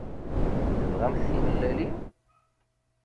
Tebɣamt timellalin?